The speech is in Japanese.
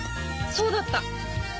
そうだった！